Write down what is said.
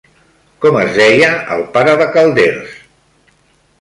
Com es deia el pare de Calders?